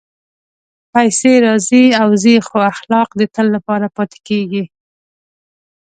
پېسې راځي او ځي، خو اخلاق د تل لپاره پاتې کېږي.